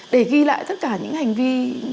để ghi lại tất cả những hành vi